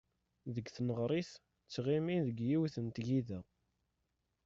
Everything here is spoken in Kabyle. Deg tneɣrit ttɣimin deg yiwet n tgida.